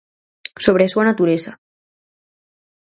Sobre a súa natureza.